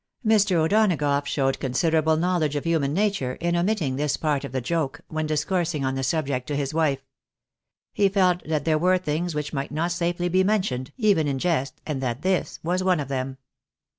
Mr. O'Donagough showed con siderable knowledge of human nature in omitting this part of the joke when discoursing on the subject to his wife. He felt that there were things which might not safely be mentioned, even in jest, and that this was one of them.